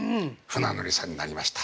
船乗りさんになりました。